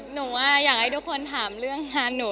หนูว่าอยากให้ทุกคนถามเรื่องงานหนู